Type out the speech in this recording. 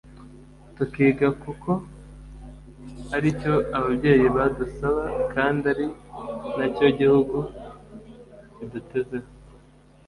tukiga kuko ari cyo ababyeyi badusaba kandi ari na cyo igihugu kidutezeho